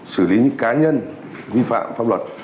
xử lý những cá nhân vi phạm pháp luật